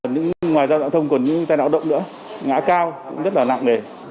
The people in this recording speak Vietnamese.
chấn thương ngực bụng ngoài ra còn những tai nạn giao thông động nữa ngã cao cũng rất là nặng đề